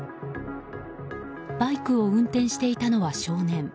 バイクを運転していたのは少年。